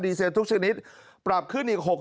ดีเซลทุกชนิดปรับขึ้นอีก